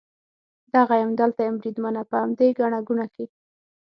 دغه یم، دلته یم بریدمنه، په همدې ګڼه ګوڼه کې.